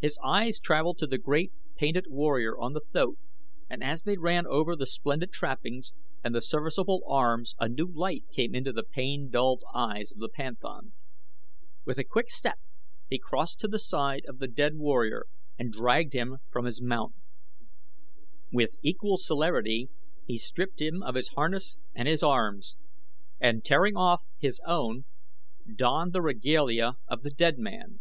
His eyes travelled to the great, painted warrior on the thoat and as they ran over the splendid trappings and the serviceable arms a new light came into the pain dulled eyes of the panthan. With a quick step he crossed to the side of the dead warrior and dragged him from his mount. With equal celerity he stripped him of his harness and his arms, and tearing off his own, donned the regalia of the dead man.